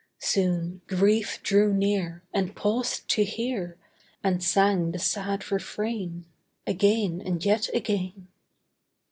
Soon Grief drew near, and paused to hear, And sang the sad refrain, Again and yet again.